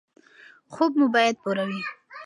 خوب مو باید پوره وي.